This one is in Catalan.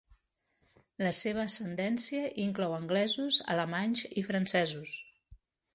La seva ascendència inclou anglesos, alemanys i francesos.